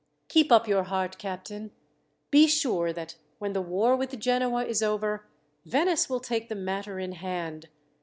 "Keep up your heart, captain. Be sure that when the war with Genoa is over, Venice will take the matter in hand.